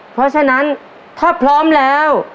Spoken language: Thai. เพราะฉะนั้นถ้าพร้อมแล้ว